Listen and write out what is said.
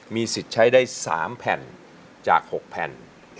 มีสิทธิ์ใช้ได้๓แผ่นจาก๖แผ่น